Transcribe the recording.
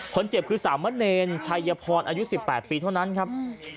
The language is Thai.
คนเจ็บคือสามเมอร์เนรชายยพรอายุสิบแปดปีเท่านั้นครับอืม